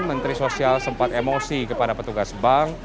menteri sosial sempat emosi kepada petugas bank